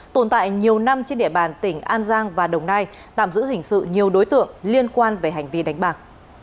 tồn tại nhiều năm trên địa bàn tỉnh an giang và đồng nai tạm giữ hình sự nhiều đối tượng liên quan về hành vi đánh bạc